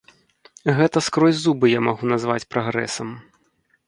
Гэта скрозь зубы я магу назваць прагрэсам.